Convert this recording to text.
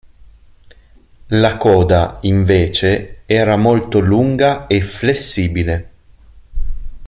La coda, invece, era molto lunga e flessibile.